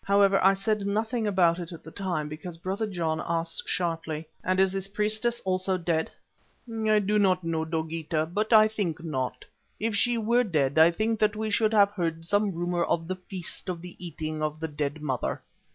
However, I said nothing about it at the time, because Brother John asked sharply: "And is this priestess also dead?" "I do not know, Dogeetah, but I think not. If she were dead I think that we should have heard some rumour of the Feast of the eating of the dead Mother."